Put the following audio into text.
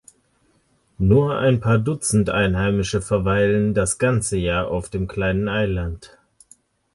Nur ein paar Dutzend Einheimische verweilen das ganze Jahr auf dem kleinen Eiland.